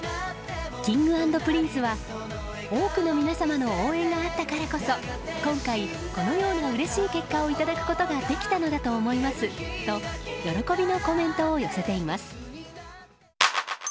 Ｋｉｎｇ＆Ｐｒｉｎｃｅは多くの皆様の応援があったからこそ今回このようなうれしい結果をいただくことができたのだと思いますと喜びのコメントを寄せています。